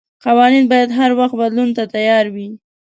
قوانين بايد هر وخت بدلون ته تيار وي.